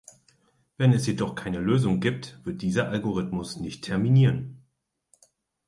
Wenn es jedoch keine Lösung gibt, wird dieser Algorithmus nicht terminieren.